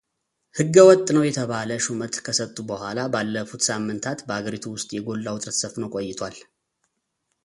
ሕገወጥ ነው የተባለ ሹመት ከሰጡ በኋላ ባለፉት ሳምንታት በአገሪቱ ውስጥ የጎላ ውጥረት ሰፍኖ ቆይቷል።